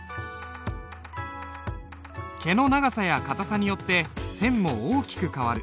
毛の長さや硬さによって線も大きく変わる。